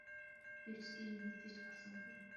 Гэвч тийм юм хэзээ ч болсонгүй.